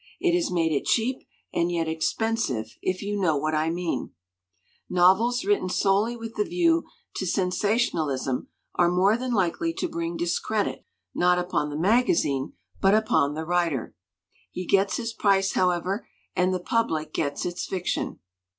It has made it cheap and yet expensive, if you know what I mean. 157 LITERATURE IN THE MAKING " Novels written solely with the view to sen sationalism are more than likely to bring discredit, not upon the magazine, but upon the writer. He gets his price, however, and the public gets its fiction.